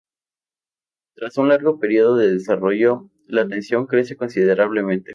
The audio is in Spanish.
Tras un largo periodo de desarrollo la tensión crece considerablemente.